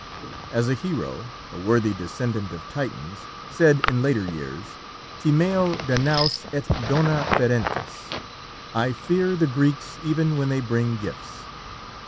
As a hero a worthy descendant of Titans said in later years, "Timeo Danaos et dona ferentes," "I fear the Greeks, even when they bring gifts."